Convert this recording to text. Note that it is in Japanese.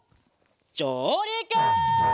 じょうりく！